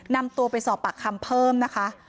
นำตัวไปสอบปากคำเพิ่มนะคะ